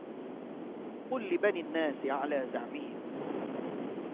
قل لبني الناس على زعمهم